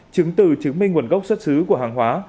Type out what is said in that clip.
chứng từ chứng minh nguồn gốc xuất xứ của hàng hóa